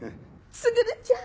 卓ちゃん！